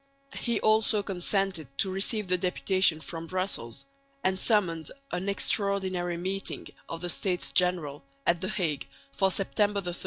He also consented to receive the deputation from Brussels, and summoned an extraordinary meeting of the States General at the Hague for September 13.